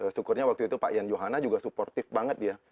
syukurnya waktu itu pak ian johana juga supportif banget dia